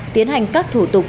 tiến hành các thủ tục